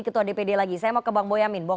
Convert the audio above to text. ketua dpd lagi saya mau ke bang boyamin